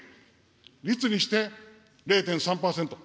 率にして０．３％。